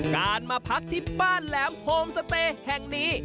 การมาพักที่บ้านแหลมโฮมสเตย์แห่งนี้